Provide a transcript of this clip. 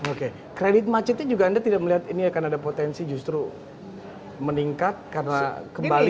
oke kredit macetnya juga anda tidak melihat ini akan ada potensi justru meningkat karena kembali